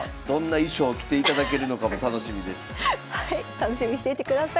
楽しみにしていてください。